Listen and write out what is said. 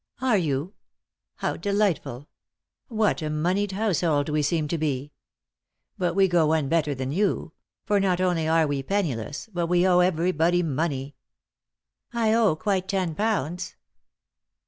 " Are you ? How delightful I What a moneyed household we seem to be 1 But we go one better than you; for not only are we penniless but we owe everybody money." "I owe quite ten pounds."